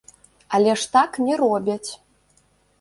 Але ж так не робяць.